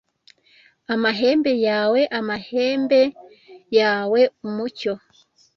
amahembe yawe amahembe yawe umucyo!